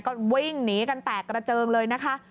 ก็วิ่งหนีกันแตกกระเจิงเลยนะคะ